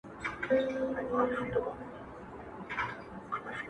تر قدمه يې په زر ځله قربان سول!!